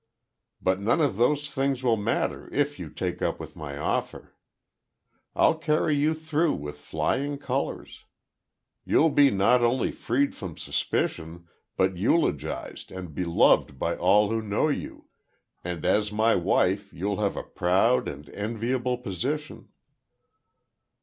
But none of those things will matter if you take up with my offer. I'll carry you through with flying colors. You'll be not only freed from suspicion but eulogized and beloved by all who know you, and as my wife, you'll have a proud and enviable position."